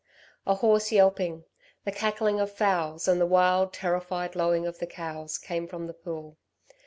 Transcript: A hoarse yelping, the cackling of fowls and the wild terrified lowing of the cows, came from the pool.